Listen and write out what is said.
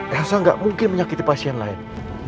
elsa tidak mungkin menyakiti pasien lain